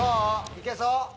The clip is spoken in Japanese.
行けそう？